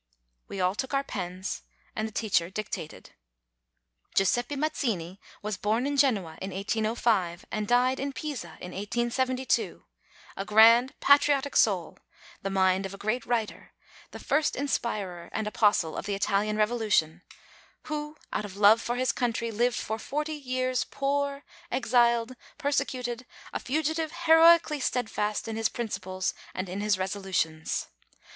We all took our pens, and the teacher dictated. "Giuseppe Mazzini was born in Genoa in 1805 and died in Pisa in 1872, a grand, patriotic soul, the mind of a great writer, the first inspirer and apostle of the Italian Revolution; who, out of love for his country, lived for forty years poor, exiled, persecuted, a fugitive heroically steadfast in his principles and in his resolutions.